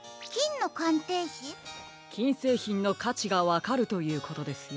きんせいひんのかちがわかるということですよ。